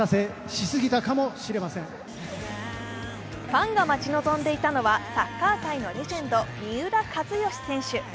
ファンが待ち望んでいたのはサッカー界のレジェンド・三浦知良選手。